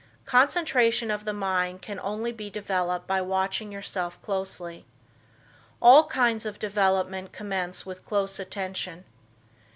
Concentration of the mind can only be developed by watching yourself closely. All kinds of development commence with close attention.